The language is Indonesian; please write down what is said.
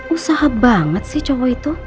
usaha banget sih cowo itu